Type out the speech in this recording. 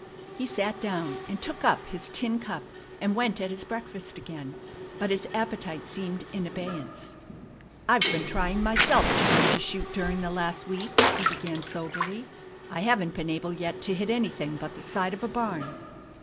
He sat down, and took up his tin cup, and went at his breakfast again; but his appetite seemed in abeyance. "I've been trying myself to learn to shoot during the last week," he began soberly. "I haven't been able yet to hit anything but the side of a barn.